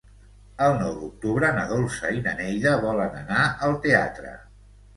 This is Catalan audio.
El nou d'octubre na Dolça i na Neida volen anar al teatre.